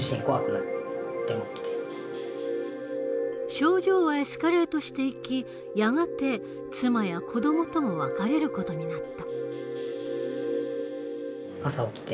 症状はエスカレートしていきやがて妻や子どもとも別れる事になった。